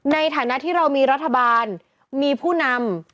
ในฐานะที่เรามีรัฐบาลมีผู้นำ